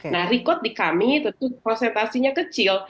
nah rekod di kami tentu prosentasenya kecil